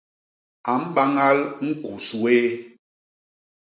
A mbañal ñkus wéé.